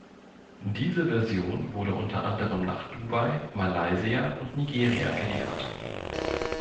Diese Version wurde unter anderem nach Dubai, Malaysia und Nigeria geliefert.